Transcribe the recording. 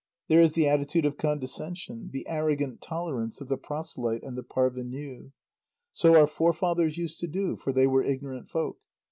There is the attitude of condescension, the arrogant tolerance of the proselyte and the parvenu: "So our forefathers used to do, for they were ignorant folk."